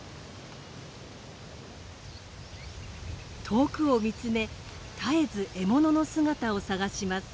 遠くを見つめ絶えず獲物の姿を探します。